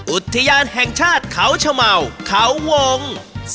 อุทยานแห่งชาติเขาชะเมาเขาวง